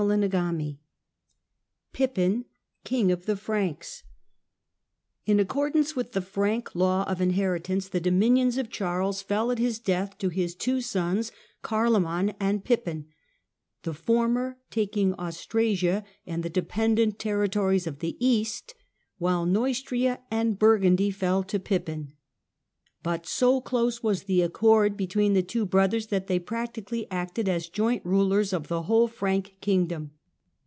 CHAPTER XII PIPPIN, KING OF THE FRANKS "N accordance with the Frank law of inheritance the Carioman dominions of Charles fell, at his death, to his two 741 747 sons, Carioman and Pippin, the former taking Austrasia and the dependent territories of the East, while Neustria and Burgundy fell to Pippin. But so close was the accord between the two brothers that they practically acted as joint rulers of the whole Frank kingdom.